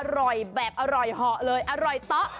อร่อยแบบอร่อยเหาะเลยอร่อยเตาะ